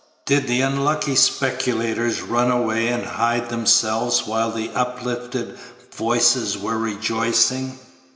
Did the unlucky speculators run away and hide themselves while the uplifted voices were rejoicing?